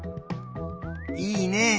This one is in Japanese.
いいね。